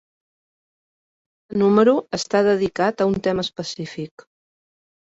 Cada número està dedicat a un tema específic.